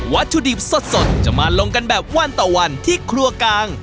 วัตถุดิบสดจะมาลงกันแบบวันต่อวันที่ครัวกลาง